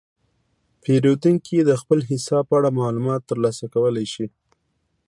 پیرودونکي د خپل حساب په اړه معلومات ترلاسه کولی شي.